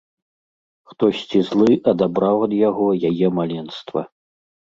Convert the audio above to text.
Хтосьці злы адабраў ад яго яе маленства.